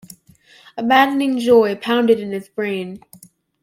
A maddening joy pounded in his brain.